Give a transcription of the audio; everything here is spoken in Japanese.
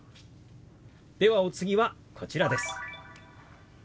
ではお次はこちらです。